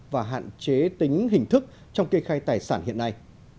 và hạn chế tính hình thức trong kê khai tài sản hiện nay